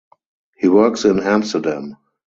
He works in Amsterdam.